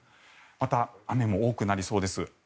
また、雨も多くなりそうです。